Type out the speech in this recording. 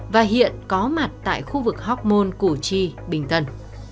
và hiện có mặt tại khu vực hóc môn củ chi bình tân